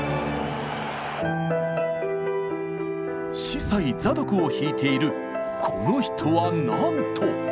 「司祭ザドク」を弾いているこの人はなんと！